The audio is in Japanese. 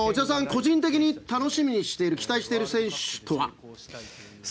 個人的に楽しみにしている期待している選手とは？